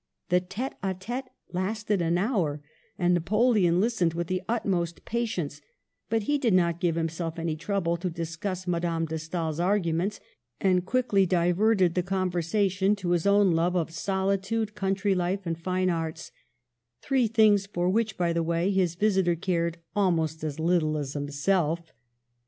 The tite d t§te lasted an hour, and Napoleon lis tened with the utmost patience, but he did not give himself any trouble to discuss Madame de Stael's arguments, and quickly diverted the con versation to his own love of solitude, country life and fine arts rthree things for which, by the way, his visitor cared almost as little as himself.